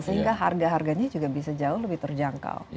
sehingga harga harganya juga bisa jauh lebih terjangkau